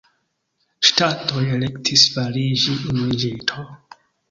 Ŝtatoj elektis fariĝi unuiĝinto.